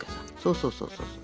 そうそうそうそう。